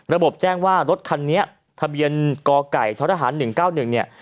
แจ้งว่ารถคันนี้ทะเบียนกไก่ท้อทหาร๑๙๑เนี่ย